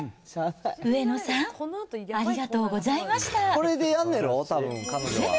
上野さん、ありがとうございました。